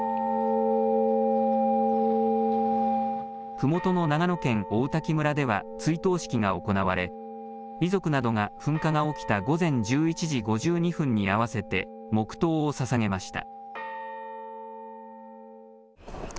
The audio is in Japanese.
ふもとの長野県王滝村では追悼式が行われ遺族などが噴火が起きた午前１１時５２分に合わせて黙とうをささげました。